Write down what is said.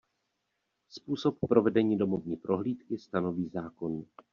Způsob provedení domovní prohlídky stanoví zákon.